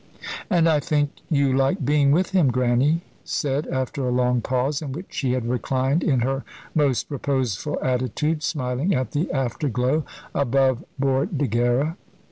"And I think you like being with him," Grannie said, after a long pause, in which she had reclined in her most reposeful attitude, smiling at the after glow above Bordighera.